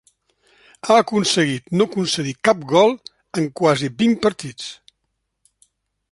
Ha aconseguit no concedir cap gol en quasi vint partits.